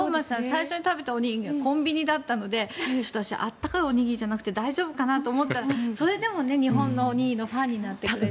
最初に食べたおにぎりがコンビニだったので温かいおにぎりじゃなくて大丈夫かな？と思ったらそれでも日本のおにぎりのファンになってくれて。